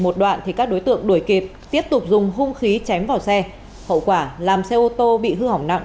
một đoạn thì các đối tượng đuổi kịp tiếp tục dùng hung khí chém vào xe hậu quả làm xe ô tô bị hư hỏng nặng